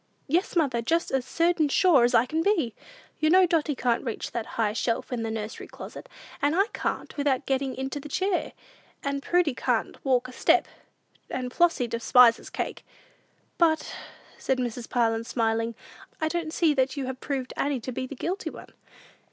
"Yes, mother: just as certain sure as I can be! You know Dotty can't reach that high shelf in the nursery closet, and I can't, without getting into a chair; and Prudy can't walk a step; and Flossy despises cake." "But," said Mrs. Parlin, smiling, "I don't see that you have proved Annie to be the guilty one."